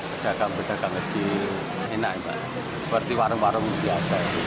sedangkan berdekat kecil enak banget seperti warung warung biasa